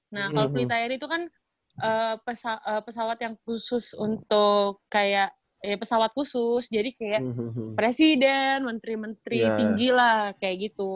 nah kalau plita air itu kan pesawat yang khusus untuk kayak pesawat khusus jadi kayak presiden menteri menteri tinggi lah kayak gitu